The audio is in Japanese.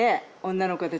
女の子たち。